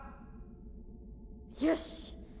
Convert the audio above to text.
よし！